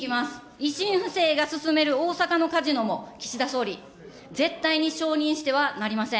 維新府政が進める大阪のカジノも岸田総理、絶対に承認してはなりません。